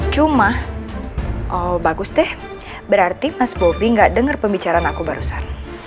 cuma oh bagus deh berarti mas bovi gak dengar pembicaraan aku barusan